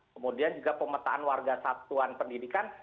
kemudian juga pemetaan warga satuan pendidikan